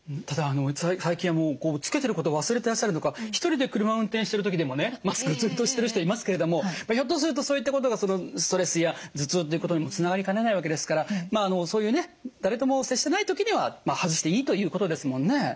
ただ最近はもうつけてることを忘れてらっしゃるのか一人で車運転している時でもねマスクずっとしてる人いますけれどもひょっとするとそういったことがストレスや頭痛ということにもつながりかねないわけですからそういうね誰とも接してない時には外していいということですもんね。